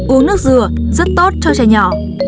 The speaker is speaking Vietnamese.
uống nước dừa rất tốt cho trẻ nhỏ